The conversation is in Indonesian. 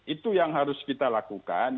itu yang harus kita lakukan